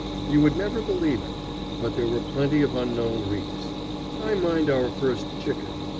You would never believe it. But there were plenty of unknown reefs. I mind our first chicken.